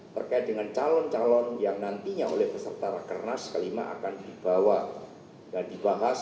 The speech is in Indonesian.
terkait dengan calon calon yang nantinya oleh peserta rakernas kelima akan dibawa dan dibahas